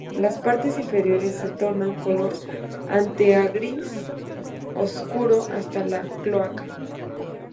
Las partes inferiores se tornan color ante a gris oscuro hasta la cloaca.